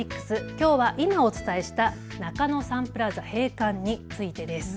きょうは今、お伝えした中野サンプラザ閉館についてです。